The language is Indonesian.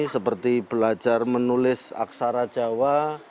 seperti belajar menulis aksara jawa